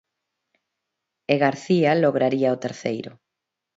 E García lograría o terceiro.